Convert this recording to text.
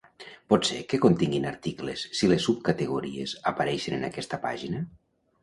Pot ser que continguin articles si les subcategories apareixen en aquesta pàgina.